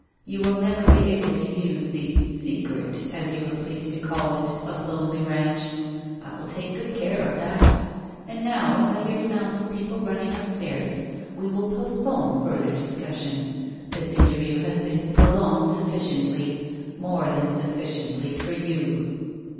You will never be able to use the 'Secret' as you are pleased to call it of Lonely Ranch. I will take good care of that. And now, as I hear sounds of people running up stairs, we will postpone further discussion. This interview has been prolonged sufficiently more than sufficiently for you."